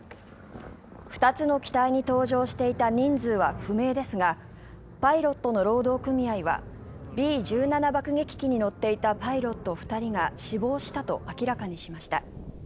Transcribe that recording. ２つの機体に搭乗していた人数は不明ですがパイロットの労働組合はＢ１７爆撃機に乗っていたパイロット２人が死亡したと明らかにしました。